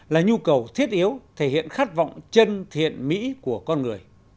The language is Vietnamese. là nhu cầu thiết yếu thể hiện khát vọng chân thiện mỹ của con người